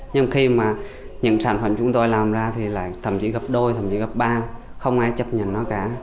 nhưng khi mà những sản phẩm chúng tôi làm ra thì lại thậm chí gặp đôi thậm chí gặp ba không ai chấp nhận nó cả